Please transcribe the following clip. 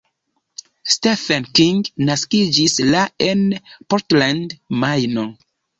Stephen King naskiĝis la en Portland, Majno.